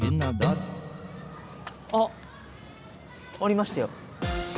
あっありましたよ。